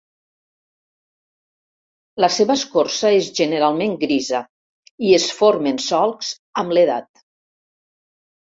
La seva escorça és generalment grisa i es formen solcs amb l'edat.